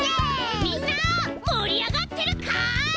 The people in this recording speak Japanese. みんなもりあがってるかい？